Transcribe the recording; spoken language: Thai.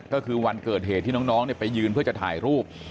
ก็คือวันเกิดเหตุที่น้องไปยืนเพื่อจะถ่ายรูป